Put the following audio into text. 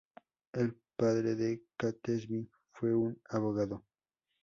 El padre de Catesby fue un abogado.